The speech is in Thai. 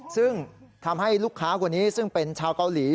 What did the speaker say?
ซึ่งทำให้ลูกค้าคนนี้ซึ่งเป็นชาวเกาหลี